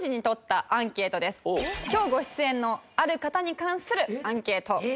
今日ご出演のある方に関するアンケート。